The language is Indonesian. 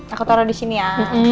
aku taruh disini ya